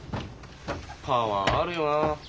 パワーあるよな。